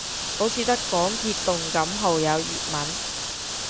好似得港鐵動感號有粵文